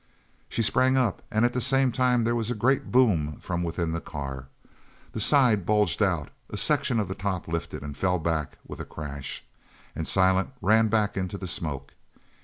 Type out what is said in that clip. She sprang up and at the same time there was a great boom from within the car. The side bulged out a section of the top lifted and fell back with a crash and Silent ran back into the smoke.